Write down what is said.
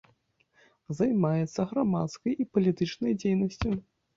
Займаецца грамадскай і палітычнай дзейнасцю.